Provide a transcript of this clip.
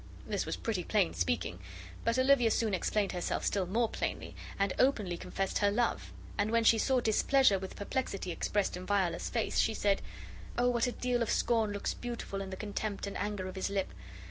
This was pretty plain speaking, but Olivia soon explained herself still more plainly, and openly confessed her love; and when she saw displeasure with perplexity expressed in Viola's face, she said: "Oh, what a deal of scorn looks beautiful in the contempt and anger of his lip!